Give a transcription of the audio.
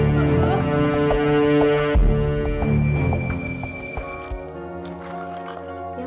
kamu cek adikmu ya